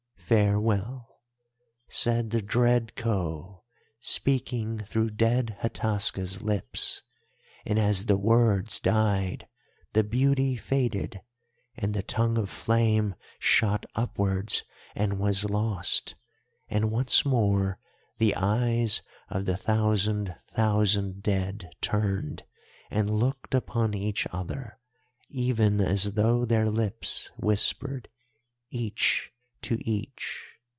Farewell,' said the dread Khou, speaking through dead Hataska's lips, and as the words died the beauty faded and the Tongue of Flame shot upwards and was lost, and once more the eyes of the thousand thousand dead turned and looked upon each other, even as though their lips whispered each to each.